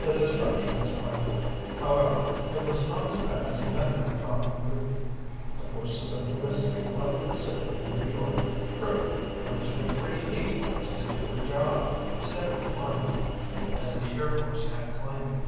The destruction was frightful. However, it was not as bad as many had thought it would be. The forces of the Wistick leveled the city of New York, true, but it took three H bombs to do the job, instead of one, as the Air Force had claimed.